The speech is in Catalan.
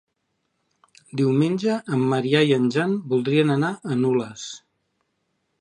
Diumenge en Maria i en Jan voldrien anar a Nules.